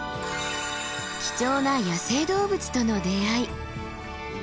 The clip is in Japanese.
貴重な野生動物との出会い。